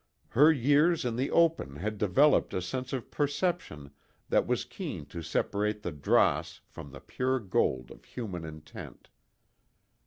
Her years in the open had developed a sense of perception that was keen to separate the dross from the pure gold of human intent.